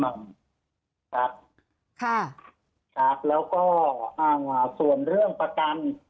ทางท่านท่านเจ้าอิมัมครับค่ะครับแล้วก็อ่าส่วนเรื่องประกัน